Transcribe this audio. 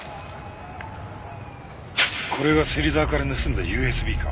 これが芹沢から盗んだＵＳＢか。